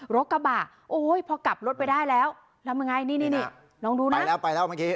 รถกระบะโอ้ยพอกลับรถไปได้แล้วทำยังไงนี่นี่น้องดูนี่ไปแล้วไปแล้วเมื่อกี้